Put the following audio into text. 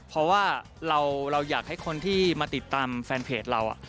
เพราะว่าเราอยากให้คนที่มาติดตามแฟนเพจเรา